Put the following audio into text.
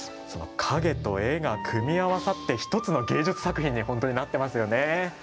影と絵が組み合わさって１つの芸術作品に本当になっていますよね。